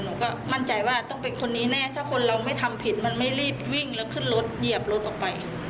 หนูก็มั่นใจว่าต้องเป็นคนนี้แน่ถ้าคนเราไม่ทำผิดมันไม่รีบวิ่งแล้วขึ้นรถเหยียบรถออกไป